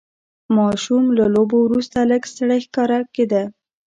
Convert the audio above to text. ماشوم له لوبو وروسته لږ ستړی ښکاره کېده.